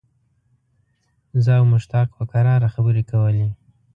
زه او مشتاق په کراره خبرې کولې.